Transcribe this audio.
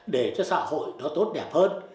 để cho xã hội nó tốt đẹp hơn